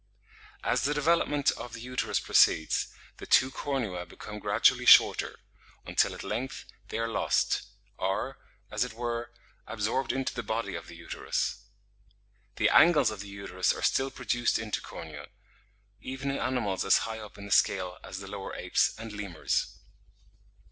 As the development of the uterus proceeds, the two cornua become gradually shorter, until at length they are lost, or, as it were, absorbed into the body of the uterus." The angles of the uterus are still produced into cornua, even in animals as high up in the scale as the lower apes and lemurs.